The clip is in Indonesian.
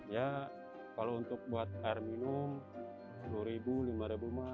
ya kalau untuk buat air minum sepuluh lima mah ada